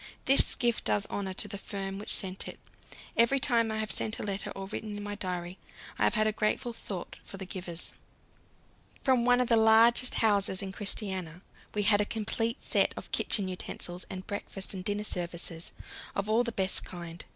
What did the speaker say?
This gift does honour to the firm which sent it; every time I have sent a letter or written in my diary, I have had a grateful thought for the givers. From one of the largest houses in Christiania we had a complete set of kitchen utensils and breakfast and dinner services, all of the best kind.